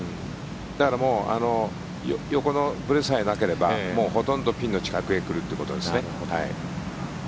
だから横のブレさえなければもうほとんどピンの近くへ来るということですね。